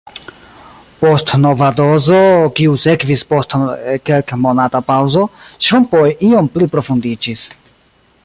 Post nova dozo, kiu sekvis post kelkmonata paŭzo, ŝrumpoj iom pli profundiĝis.